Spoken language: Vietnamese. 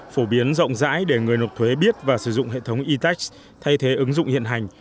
phổ biến rộng rãi để người nộp thuế biết và sử dụng hệ thống etex thay thế ứng dụng hiện hành